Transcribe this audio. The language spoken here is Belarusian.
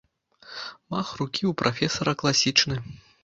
Мах рукі ў прафесара класічны!